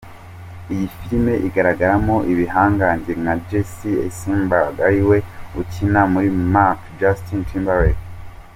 Iyi filime igaragaramo ibihangange nka Jesse Eisenberg ariwe ukina ari Mark, Justin Timberlake,….